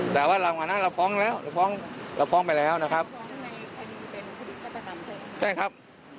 แต่ว่าหลังวันนั้นเราฟ้องแล้วเราฟ้องไปแล้วนะครับ